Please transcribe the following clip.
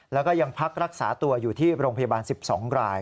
แล้วก็ยังพักรักษาตัวอยู่ที่โรงพยาบาล๑๒ราย